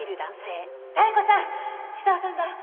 妙子さん久男さんが